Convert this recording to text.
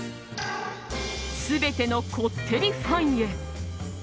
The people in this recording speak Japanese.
「全てのこってりファンへ」。